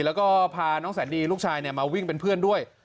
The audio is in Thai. แล้วก็พาน้องแสนดีลูกชายมาวิ่งเป็นเพื่อนด้วย